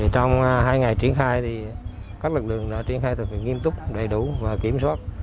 trong hai ngày triển khai các lực lượng đã triển khai thực hiện nghiêm túc đầy đủ và kiểm soát